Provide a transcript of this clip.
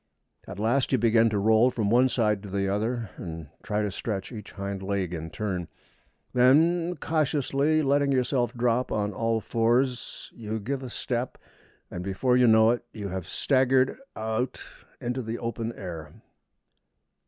At last you begin to roll from one side to the other, and try to stretch each hind leg in turn; then, cautiously letting yourself drop on all fours, you give a step, and before you know it you have staggered out into the open air.